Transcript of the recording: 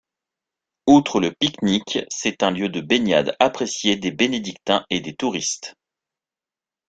Outre le pique-nique, c'est un lieu de baignade apprécié des Bénédictins et des touristes.